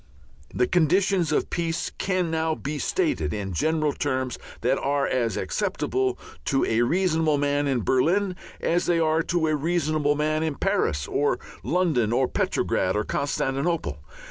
The conditions of peace can now be stated, in general terms that are as acceptable to a reasonable man in Berlin as they are to a reasonable man in Paris or London or Petrograd or Constantinople.